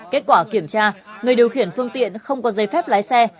kết quả kiểm tra người điều khiển phương tiện không có giấy phép lái xe